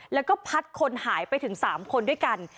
แล้วก็พัดคนหายไปถึง๓คนด้วยกัน